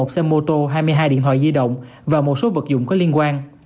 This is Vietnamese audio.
một xe mô tô hai mươi hai điện thoại di động và một số vật dụng có liên quan